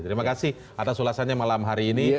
terima kasih atas ulasannya malam hari ini